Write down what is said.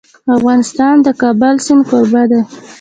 افغانستان د د کابل سیند کوربه دی.